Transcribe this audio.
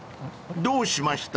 ［どうしました？］